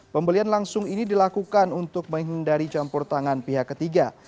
pembelian langsung ini dilakukan untuk menghindari campur tangan pihak ketiga